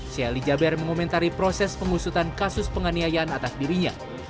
sheikh ali jaber mengomentari proses pengusutan kasus penganiayaan atas dirinya